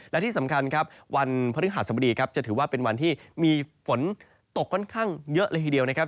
และที่สำคัญครับวันพฤหัสบดีครับจะถือว่าเป็นวันที่มีฝนตกค่อนข้างเยอะเลยทีเดียวนะครับ